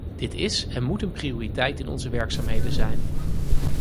Dit is en moet een prioriteit in onze werkzaamheden zijn.